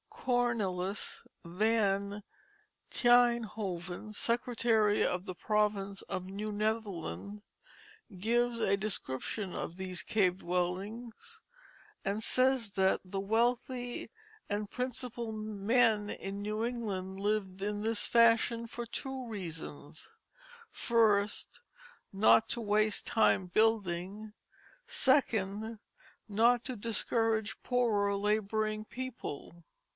Cornelis Van Tienhoven, Secretary of the Province of New Netherland, gives a description of these cave dwellings, and says that "the wealthy and principal men in New England lived in this fashion for two reasons: first, not to waste time building; second, not to discourage poorer laboring people."